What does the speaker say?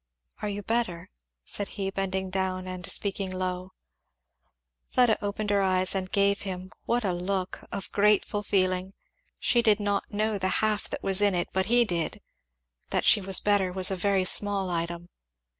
"Are you better?" said he, bending down and speaking low. Fleda opened her eyes and gave him, what a look! of grateful feeling. She did not know the half that was in it; but he did. That she was better was a very small item.